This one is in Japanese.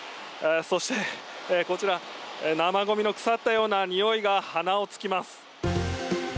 そして、こちら生ゴミの腐ったようなにおいが鼻を突きます。